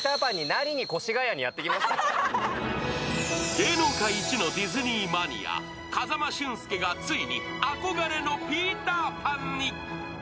芸能界一のディズニーマニア・風間俊介がついに憧れのピーター・パンに。